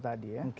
pengaruh tadi ya